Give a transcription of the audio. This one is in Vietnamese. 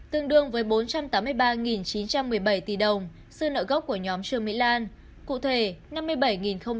tương đương với bốn trăm tám mươi ba chín trăm một mươi bảy tỷ đồng sư nợ gốc của nhóm trường mỹ lan